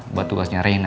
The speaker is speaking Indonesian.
buat tugasnya rena